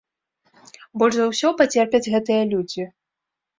Больш за ўсё пацерпяць гэтыя людзі.